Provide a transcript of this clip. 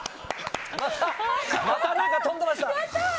また、何か跳んでました。